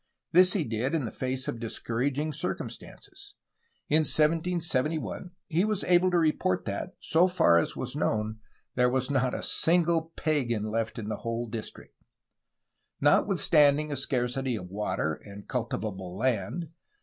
This he did, in the face of discouraging circumstances. In 1771 he was able to FERMIn FRANCISCO^^DE LASUfiN 367 report that, so far as was known, there was not a single pagan left in the whole district. Notwithstanding a scarcity of water and cultivable land.